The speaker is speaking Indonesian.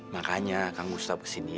makanya kang gustaf kesini